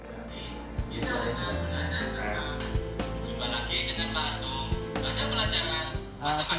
jadi kita akan belajar dengan semuanya lagi kita bantu pada pelajaran matematika